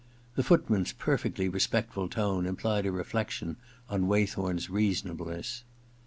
The footman's perfectly respectful tone implied a reflection on Waythorn's reasonableness.